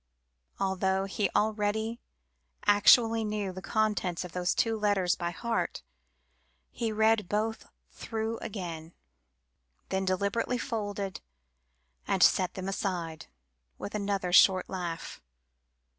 Although he already actually knew the contents of those two letters by heart, he read both through again, then deliberately folded, and set them aside, with another short laugh.